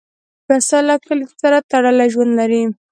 پسه له کلي سره تړلی ژوند لري.